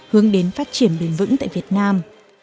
hướng đến phát triển bền vững tại việt nam